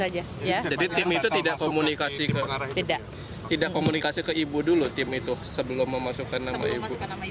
jadi tim itu tidak komunikasi ke ibu dulu sebelum memasukkan nama ibu